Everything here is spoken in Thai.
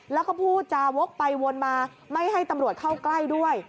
แล้วก็พูดจาวกไปวนมาไม่ให้ตำรวจเข้าใกล้ด้วย